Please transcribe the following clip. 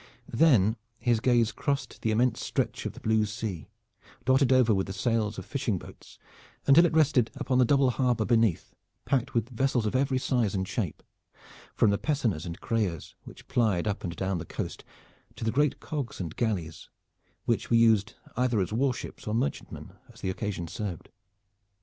Then his gaze crossed the immense stretch of the blue sea, dotted over with the sails of fishing boats, until it rested upon the double harbor beneath packed with vessels of every size and shape, from the pessoners and creyers which plied up and down the coast to the great cogs and galleys which were used either as war ships or merchantmen as the occasion served.